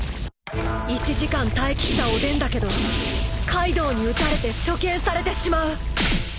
［１時間耐え切ったおでんだけどカイドウに撃たれて処刑されてしまう］